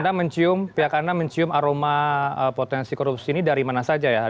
anda mencium pihak anda mencium aroma potensi korupsi ini dari mana saja ya